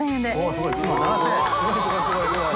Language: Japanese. すごいすごい。